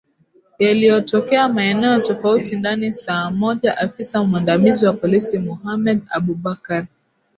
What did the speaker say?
yaliyotokea maeneo tofauti ndani saa moja afisa mwandamizi wa polisi mohammed abubakar